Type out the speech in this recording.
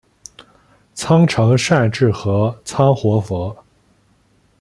仓成善智合仓活佛。